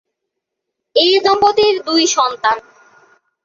এ দম্পতির দুই সন্তান।